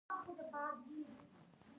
سا نيولي هلک له لاندې نه وويل.